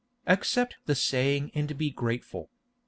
Accept the saying and be grateful.